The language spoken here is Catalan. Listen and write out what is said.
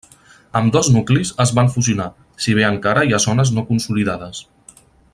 Ambdós nuclis es van fusionar, si bé encara hi ha zones no consolidades.